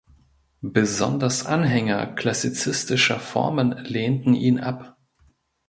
Besonders Anhänger klassizistischer Formen lehnten ihn ab.